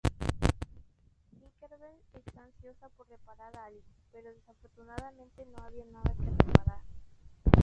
Tinker Bell está ansiosa por reparar algo pero desafortunadamente no había nada que reparar.